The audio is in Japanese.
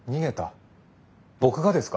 僕がですか？